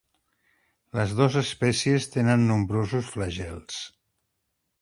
Les dos espècies tenen nombrosos flagels.